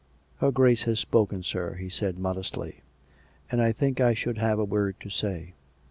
" Her Grace has spoken, sir," he said modestly. " And I think I should have a word to say.